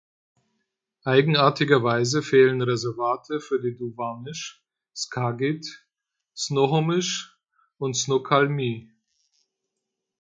Eigenartigerweise fehlen Reservate für die Duwamish, Skagit, Snohomish und Snoqualmie.